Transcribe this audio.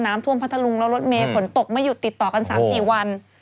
พัทธรุงแล้วรถเมย์ฝนตกไม่หยุดติดต่อกัน๓๔วัน